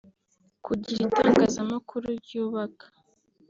Kugira itangazamakuru ryubaka